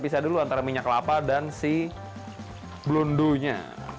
kita coba dulu antara minyak kelapa dan si blondonya